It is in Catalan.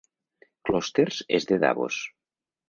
Klosters és de Davos.